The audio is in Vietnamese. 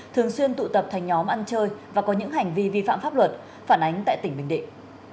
thường xuyên tụ tập thành nhóm ăn chơi và có những hành vi vi phạm pháp luật phản ánh tại tỉnh bình định